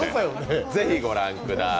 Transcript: ぜひ御覧ください。